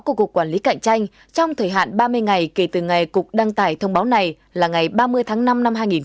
cuộc quản lý cạnh tranh trong thời hạn ba mươi ngày kể từ ngày cục đăng tải thông báo này là ngày ba mươi tháng năm năm hai nghìn một mươi sáu